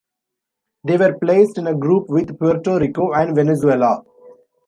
They were placed in a group with Puerto Rico and Venezuela.